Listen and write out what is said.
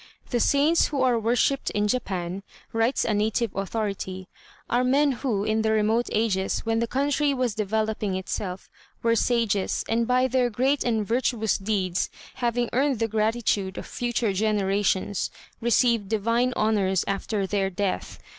"The saints who are worshipped in Japan," writes a native authority, "are men who, in the remote ages, when the country was developing itself, were sages, and by their great and virtuous deeds having earned the gratitude of future generations, received divine honours after their death.